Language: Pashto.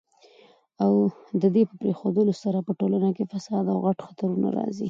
او ددي په پريښودلو سره په ټولنه کي فساد او غټ خطرونه راځي